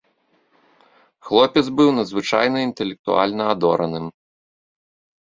Хлопец быў надзвычайна інтэлектуальна адораным.